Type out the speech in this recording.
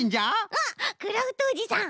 あっクラフトおじさん！